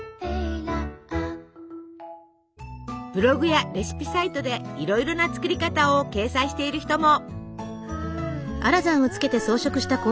ブログやレシピサイトでいろいろな作り方を掲載している人も！